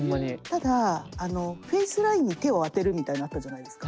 ただ「フェイスラインに手をあてる」みたいのあったじゃないですか。